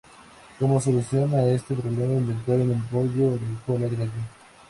Como solución a este problema inventaron el bollo de cola de gallo.